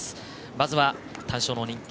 まずは、単勝の人気。